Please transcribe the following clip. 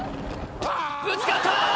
ぶつかった！